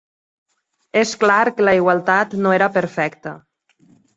És clar que la igualtat no era perfecta